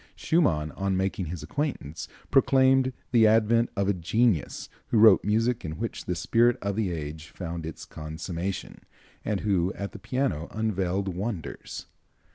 Schumann, on making his acquaintance, proclaimed the advent of a genius who wrote music in which the spirit of the age found its consummation, and who, at the piano, unveiled wonders.